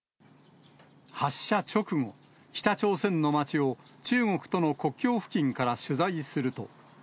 発射直後、北朝鮮の街を中国との国境付近から取材すると。